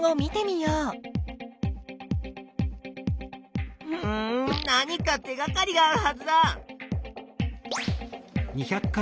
うん何か手がかりがあるはずだ！